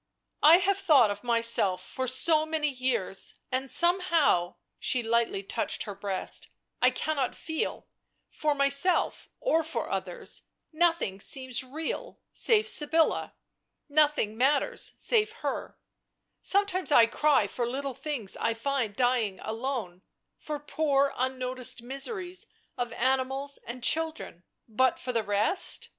" I have thought of myself for so many years— and somehow "— she lightly touched her breast —" I cannot feel, for myself or for others; nothing seems real, save Sybilla; nothing matters save her — sometimes I cry for little things I find dying alone, for poor unnoticed miseries of animals and children — but for the rest